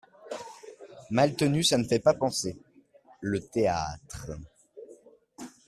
Maltenu Ça ne fait pas penser… le théâtre…